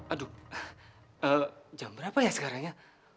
aduh jam berapa ya sekarang ya